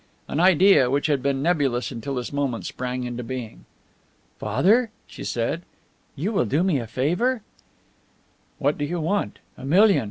An idea, which had been nebulous until this moment, sprang into being. "Father," she said, "you will do me a favour?" "What do you want a million?